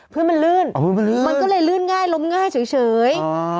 พื้นมันลื่นมันก็เลยลื่นง่ายล้มง่ายเฉย